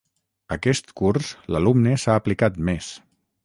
Aquest curs l'alumne s'ha aplicat més.